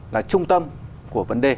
là trung tâm của vấn đề